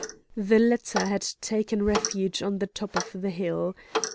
The latter had taken refuge on the top of the hill.